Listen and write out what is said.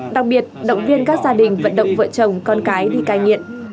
đặc biệt động viên các gia đình vận động vợ chồng